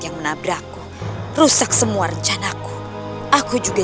kita harus ber seal shell kita